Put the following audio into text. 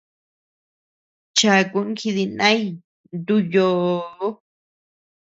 Chakun jidinay ntu yoo.